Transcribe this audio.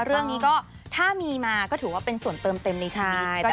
เรื่องนี้ก็ถ้ามีมาก็ถือว่าเป็นส่วนเติมเต็มในชีวิต